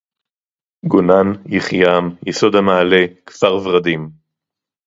גונן, יחיעם, יסוד-המעלה, כפר-ורדים